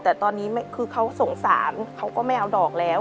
แต่ตอนนี้คือเขาสงสารเขาก็ไม่เอาดอกแล้ว